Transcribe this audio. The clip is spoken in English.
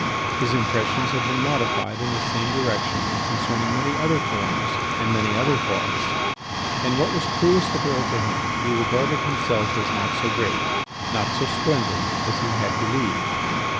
His impressions had been modified in the same direction concerning many other forms and many other thoughts. And what was cruelest of all to him, he regarded himself as not so great, not so splendid, as he had believed.